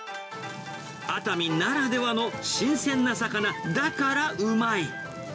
熱海ならではの新鮮な魚だから、うまい。